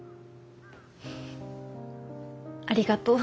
ありがとう。